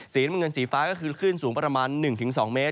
สีเหลืองสีฟ้าก็คือคลื่นสูงประมาณ๑๒เมตร